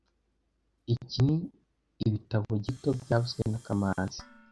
Iki ni ibitabo gito byavuzwe na kamanzi